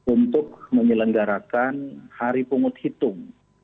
untuk menyelenggarakan hari pungut hitung